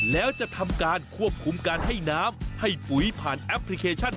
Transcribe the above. แล้วจะทำการควบคุมการให้น้ำให้ปุ๋ยผ่านแอปพลิเคชัน